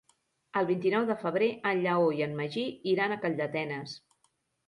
El vint-i-nou de febrer en Lleó i en Magí iran a Calldetenes.